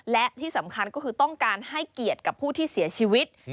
และที่สำคัญก็คือต้องการให้เกียรติกับผู้ที่เสียชีวิต